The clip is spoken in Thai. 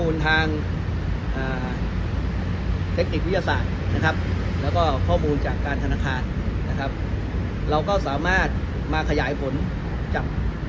แล้วก็ข้อมูลจากการธนาคารนะครับเราก็สามารถมาขยายผลจับ